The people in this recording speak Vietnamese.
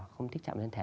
không thích chạm lên thẻ